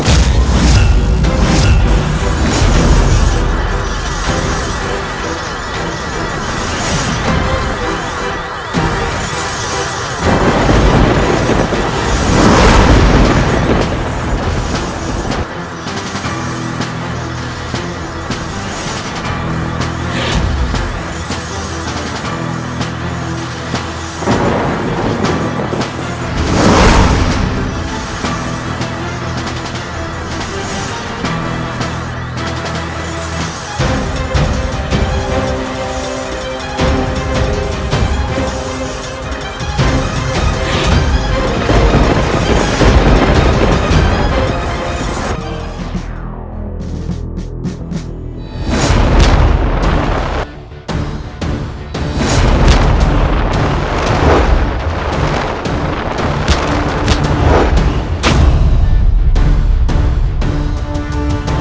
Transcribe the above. aku akan menjadikanmu istriku